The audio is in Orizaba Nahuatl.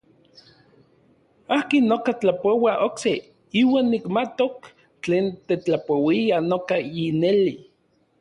Akin noka tlapoua okse, iuan nikmatok tlen tetlapouia noka yineli.